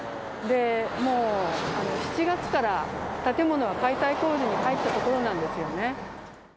もう７月から建物は解体工事に入ったところなんですよね。